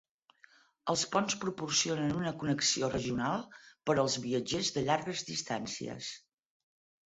Els ponts proporcionen una connexió regional per als viatgers de llargues distàncies.